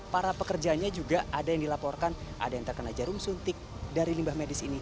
para pekerjanya juga ada yang dilaporkan ada yang terkena jarum suntik dari limbah medis ini